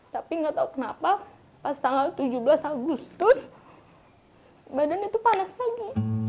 tapi gak tahu kenapa pas tanggal tujuh belas agustus badannya itu panas lagi